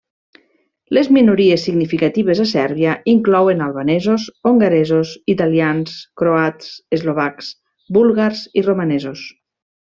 Les minories significatives a Sèrbia inclouen albanesos, hongaresos, italians, croats, eslovacs, búlgars i romanesos.